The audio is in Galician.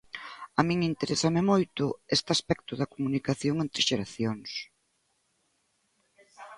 A min interésame moito este aspecto da comunicación entre xeracións.